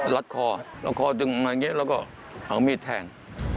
รัดคอรัดคอดึงมาอย่างนี้แล้วก็เอามีดแทง